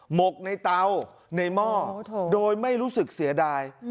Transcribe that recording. หกในเตาในหม้อโดยไม่รู้สึกเสียดาย